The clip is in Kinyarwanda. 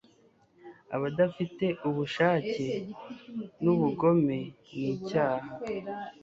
abadafite ubushake nubugome nicyaha